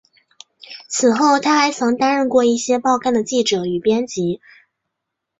此后他还曾担任过一些报刊的记者与编辑。